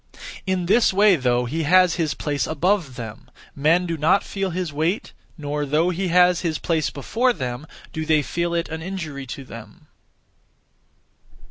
In this way though he has his place above them, men do not feel his weight, nor though he has his place before them, do they feel it an injury to them.